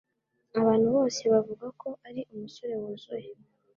Abantu bose bavuga ko ari umusore wuzuye.